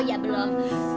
oh ya belum